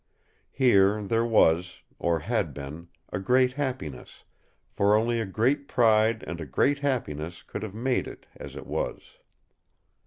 Here there was or had been a great happiness, for only a great pride and a great happiness could have made it as it was.